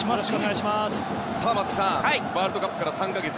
松木さん、ワールドカップから３か月。